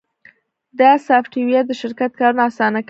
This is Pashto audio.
دا سافټویر د شرکت کارونه اسانه کوي.